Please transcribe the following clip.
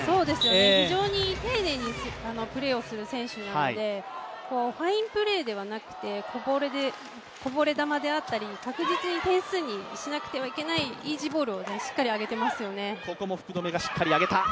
非常に丁寧にプレーをする選手なので、ファインプレーではなくてこぼれ球であったり確実に点数にしなくてはいけないイージーボールをしっかり上げていますよね。